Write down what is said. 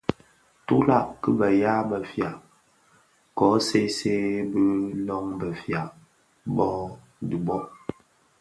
Tülag ki bëya bëfia kō see see bi lön befia bō dhi bō,